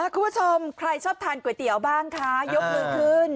คุณผู้ชมใครชอบทานก๋วยเตี๋ยวบ้างคะยกมือขึ้น